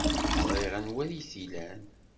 Ẓriɣ anwa ay t-ilan.